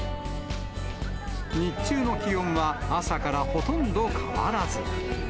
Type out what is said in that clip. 日中の気温は朝からほとんど変わらず。